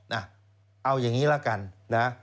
น่ะเอาอย่างนี้แล้วกันนะฮะ